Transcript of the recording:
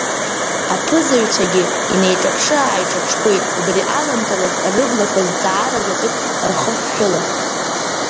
Аԥызаҩцәагьы инеиҿаԥшы-ааиҿаԥшқәеит, убри аламҭалаз рыблақәа зҵаара заҵәык рхыҳәҳәыла.